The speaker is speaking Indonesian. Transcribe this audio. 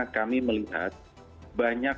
kami melihat banyak